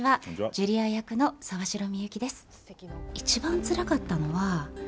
ジュリア役の沢城みゆきです。